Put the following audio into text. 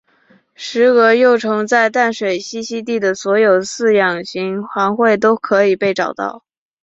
石蛾幼虫在淡水栖息地的所有饲养行会都可以被找到。